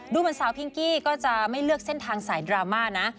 เหมือนสาวพิงกี้ก็จะไม่เลือกเส้นทางสายดราม่านะ